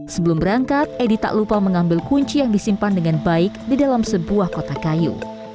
sebelum berangkat edi tak lupa mengambil kunci yang disimpan dengan baik di dalam sebuah kotak kayu